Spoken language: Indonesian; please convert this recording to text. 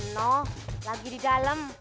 no lagi di dalem